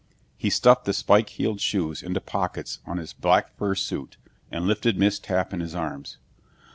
He stuffed the spike heeled shoes into pockets of his black fur suit and lifted Miss Tapp in his arms.